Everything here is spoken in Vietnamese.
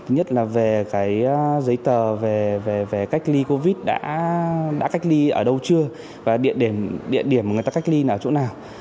nhất là về giấy tờ về cách ly covid đã cách ly ở đâu chưa và địa điểm mà người ta cách ly là ở chỗ nào